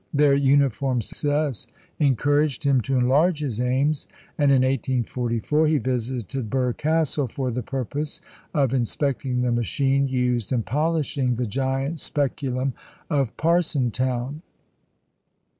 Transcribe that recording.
Their uniform success encouraged him to enlarge his aims, and in 1844 he visited Birr Castle for the purpose of inspecting the machine used in polishing the giant speculum of Parsonstown.